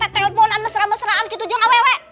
teleponan mesra mesraan gitu juga gawe wae